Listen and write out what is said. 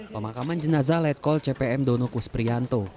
pemakaman jenazah letkol cpm dono kus prianto